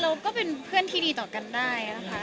ก็เป็นเพื่อนที่ดีต่อกันได้นะคะ